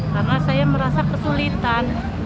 karena saya merasa kesulitan